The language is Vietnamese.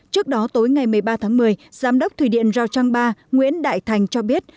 trước đó tối ngày một mươi ba tháng một mươi giám đốc thủy điện rào trang ba nguyễn đại thành cho biết